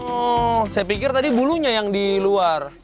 oh saya pikir tadi bulunya yang di luar